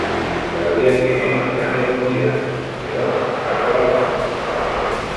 Todavía tiene un diámetro muy grande, pero está colapsando.